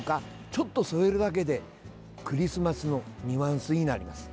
ちょっと添えるだけでクリスマスのニュアンスになります。